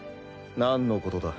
何のことだ？